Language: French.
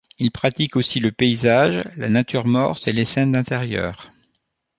Il pratique aussi le paysage, la nature morte et les scènes d'intérieur.